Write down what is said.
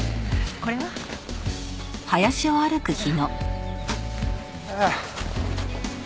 これは？ああ。